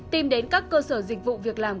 tìm đến các cơ sở dịch vụ việc làm